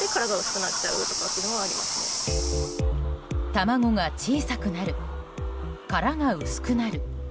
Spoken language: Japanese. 卵が小さくなる殻が薄くなる。